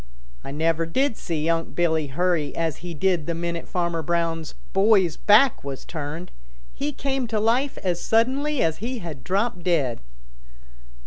I never did see Unc' Billy hurry as he did the minute Farmer Brown's boy's back was turned. He came to life as suddenly as he had dropped dead."